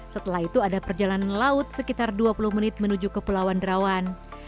setelah itu ada perjalanan laut sekitar dua puluh menit menuju ke pulauan derawan